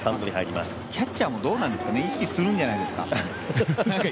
キャッチーも意識するんじゃないですか？